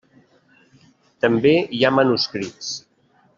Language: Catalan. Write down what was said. També hi ha manuscrits.